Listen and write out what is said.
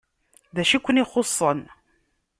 D acu i ken-ixuṣṣen?